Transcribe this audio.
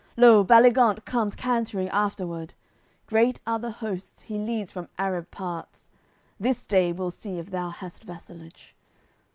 Lo, Baligant comes cantering afterward, Great are the hosts he leads from Arab parts; This day we'll see if thou hast vassalage."